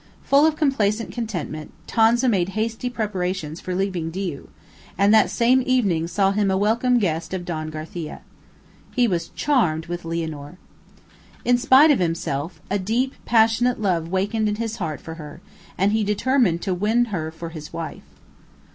Full of complacent contentment, Tonza made hasty preparations for leaving Diu, and that same evening saw him a welcome guest of Don Garcia. He was charmed with Lianor. In spite of himself, a deep passionate love wakened in his heart for her, and he determined to win her for his wife.